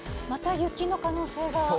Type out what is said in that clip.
また雪の可能性が。